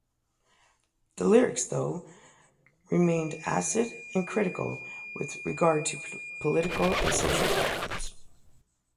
The lyrics, though, remained acid and critical with regard to political and social problems.